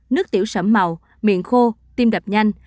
nước tiểu sẫm màu miệng khô tim đập nhanh